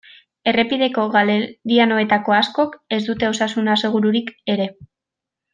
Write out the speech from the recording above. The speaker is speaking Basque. Errepideko galerianoetako askok ez dute osasun asegururik ere.